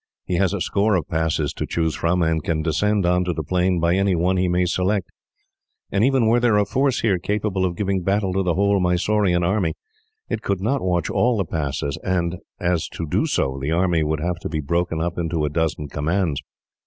He has a score of passes to choose from, and can descend on to the plain by any one he may select. And, even were there a force here capable of giving battle to the whole Mysorean army, it could not watch all the passes, as to do so the army would have to be broken up into a dozen commands.